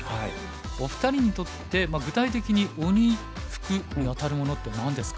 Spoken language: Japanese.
お二人にとって具体的に鬼福にあたるものって何ですか？